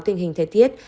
tình hình thời tiết